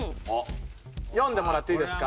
読んでもらっていいですか？